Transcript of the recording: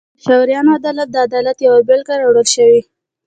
دلته د نوشیروان عادل د عدالت یوه بېلګه راوړل شوې.